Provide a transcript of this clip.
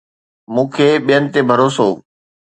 مون کي ٻين تي ڀروسو